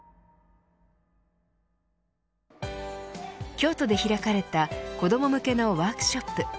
京都で開かれた子ども向けのワークショップ。